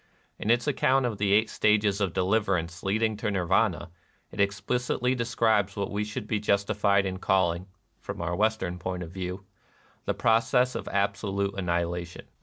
In its account of the Eight Stages of Deliverance leading to Nirvana, it explicitly describes what we should be justified in call ing, from our Western point of view, the pro cess of absolute annihilation.